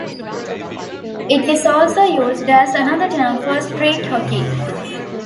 It is also used as another term for street hockey.